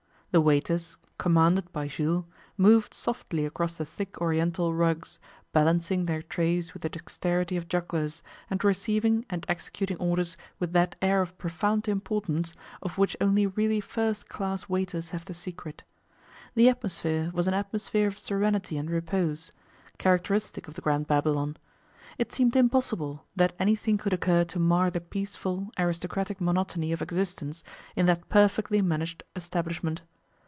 The waiters, commanded by Jules, moved softly across the thick Oriental rugs, balancing their trays with the dexterity of jugglers, and receiving and executing orders with that air of profound importance of which only really first class waiters have the secret. The atmosphere was an atmosphere of serenity and repose, characteristic of the Grand Babylon. It seemed impossible that anything could occur to mar the peaceful, aristocratic monotony of existence in that perfectly managed establishment.